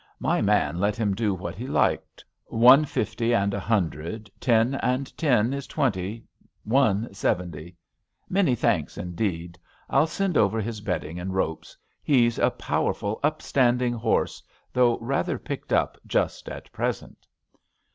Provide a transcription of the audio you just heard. My man let him do what he liked. One fifty and a hundred, ten and ten is twenty — one seventy. Many thanks, indeed. I'll send over his bedding and ropes. He's a powerful TIGLATH PILESEE 93 upstanding horse, though rather picked up just at present.